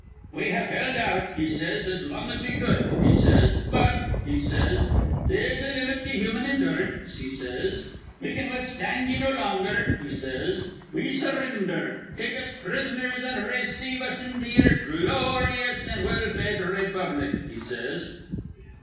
'We have held out,' he says, 'as long as we cud,' he says. 'But,' he says, 'they'se a limit to human endurance,' he says. 'We can withstand ye no longer,' he says. 'We surrinder. Take us prisoners, an' rayceive us into ye'er gloryous an' well fed raypublic,' he says.